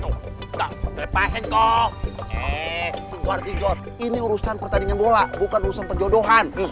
eh gua ngerti jod ini urusan pertandingan bola bukan urusan perjodohan